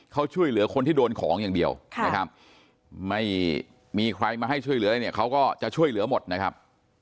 เขาช่วยเหลือคนที่โดนของอย่างเดียวนะครับไม่มีใครมาให้ช่วยเหลืออะไรเนี่ยเขาก็จะช่วยเหลือหมดนะครับ